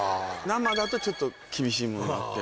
生だとちょっと厳しいものがあって。